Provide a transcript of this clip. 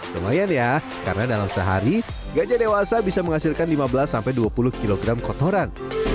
lumayan ya karena dalam sehari gajah dewasa bisa menghasilkan lima belas dua puluh kg kotoran